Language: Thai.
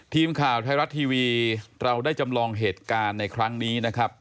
ทีมข่าวไทยรัฐทีวีเราได้จำลองเหตุการณ์ในครั้งนี้นะครับ